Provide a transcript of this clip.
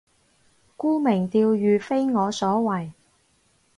沽名釣譽非我所為